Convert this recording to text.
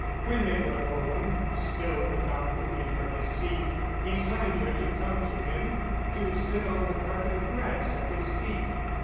When they were alone, still without moving from his seat, he signed her to come to him, to sit on the carpet of grass at his feet.